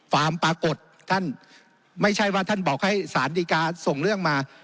ปรากฏท่านไม่ใช่ว่าท่านบอกให้สารดีกาส่งเรื่องมา